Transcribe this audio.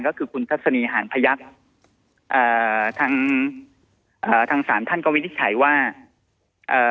ก็คือคุณทัศนีหานพยักษ์เอ่อทางเอ่อทางศาลท่านก็วินิจฉัยว่าเอ่อ